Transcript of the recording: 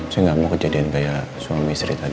saya nggak mau kejadian kayak suami istri tadi